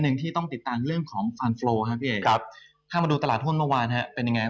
โอเคได้แล้วก็อัปเดตมึงถ้าคุณผู้ชมฟังนิดนึง